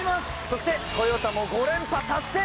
そしてトヨタも５連覇達成